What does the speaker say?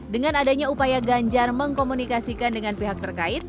dengan adanya upaya ganjar mengkomunikasikan dengan pihak terkait